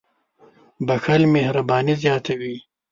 • بښل مهرباني زیاتوي.